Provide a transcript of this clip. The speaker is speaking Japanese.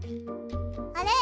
あれ？